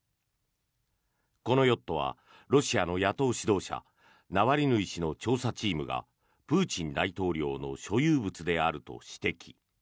このヨットはロシアの野党指導者ナワリヌイ氏の調査チームがプーチン大統領の所有物であると指摘。